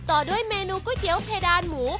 ต่อด้วยเมนูก๋วยเตี๋ยวเพดานหมู